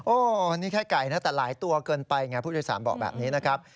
อันนี้แค่ไก่นะแต่หลายตัวเกินไปไงผู้โดยสารบอกแบบนี้นะครับ